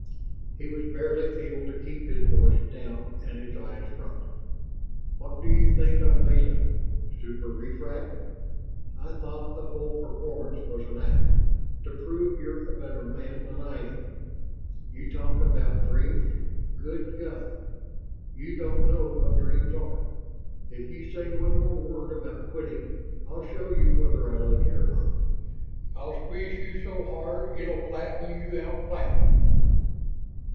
He was barely able to keep his voice down and his eyes front. "What do you think I'm made of superefract? I thought the whole performance was an act, to prove you're a better man than I am. You talk about dreams. Good God! You don't know what dreams are! If you say one more word about quitting, I'll show you whether I love you or not I'll squeeze you so hard it'll flatten you out flat!"